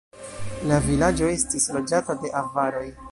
La vilaĝo estis loĝata de avaroj.